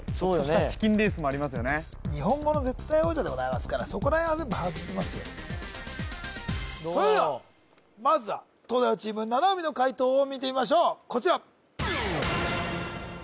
日本語の絶対王者でございますからそこら辺は全部把握してますよどうだろうそれではまずは東大王チーム七海の解答を見てみましょうこちら・